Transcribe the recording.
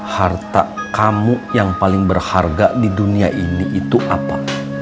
harta kamu yang paling berharga di dunia ini itu apa